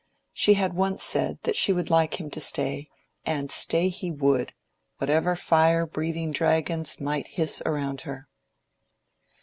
She had once said that she would like him to stay; and stay he would, whatever fire breathing dragons might hiss around her.